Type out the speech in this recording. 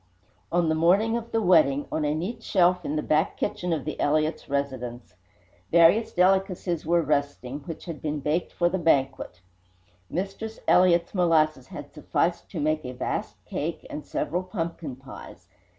On the morning of the wedding, on a neat shelf in the back kitchen of the Elliott residence, various delicacies were resting, which had been baked for the banquet. Mistress Elliott's molasses had sufficed to make a vast cake and several pumpkin pies.